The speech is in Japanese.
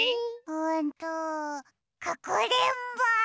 うんとかくれんぼ！